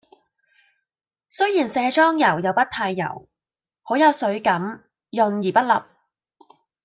雖然卸妝油又不太油，好有水感，潤而不笠